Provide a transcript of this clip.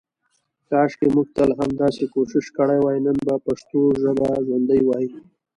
کاشکې مونږ تل همداسې کوشش کړی وای نن به پښتو ژابه ژوندی وی.